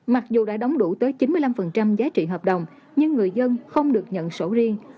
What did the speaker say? mặc dù đã đóng đủ tới chín mươi năm giá trị hợp đồng nhưng người dân không được nhận sổ riêng